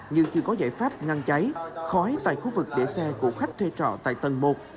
nhưng chưa có giải pháp ngăn cháy khói tại khu vực để xe của khách thuê trọ tại tầng một